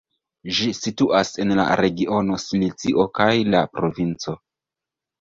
Ĝi situas en la regiono Sicilio kaj la provinco.